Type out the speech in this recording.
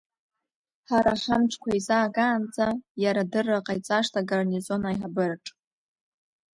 Ҳара ҳамчқәа еизаҳгаанӡа, иара адырра ҟаиҵашт агарнизон аиҳабыраҿ.